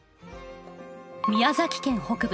宮崎県北部